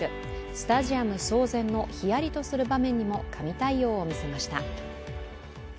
スタジアム騒然のヒヤリとする場面にも神対応を見せました。